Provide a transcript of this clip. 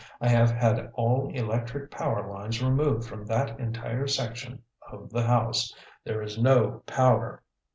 I have had all electric power lines removed from that entire section of the house. There is no power.